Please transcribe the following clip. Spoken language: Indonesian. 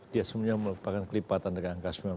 dia semuanya melakukan kelipatan dengan angka sembilan belas